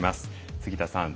杉田さん